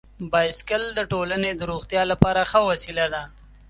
بایسکل د ټولنې د روغتیا لپاره ښه وسیله ده.